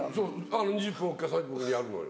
２０分置きかやるのよ。